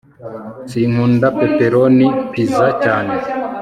sinkunda pepperoni pizza cyane